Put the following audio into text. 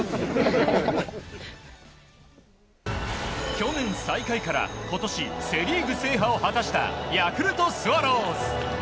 去年最下位から今年、セ・リーグ制覇を果たしたヤクルトスワローズ。